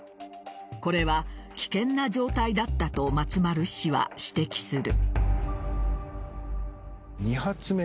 これは危険な状態だったと松丸氏は指摘する。